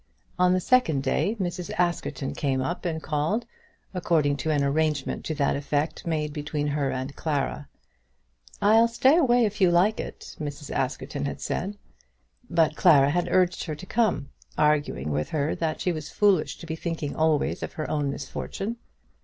On the second day Mrs. Askerton came up and called, according to an arrangement to that effect made between her and Clara. "I'll stay away if you like it," Mrs. Askerton had said. But Clara had urged her to come, arguing with her that she was foolish to be thinking always of her own misfortune.